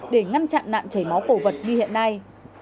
để ngăn chặn nạn chảy máu cổ vật như hiện nay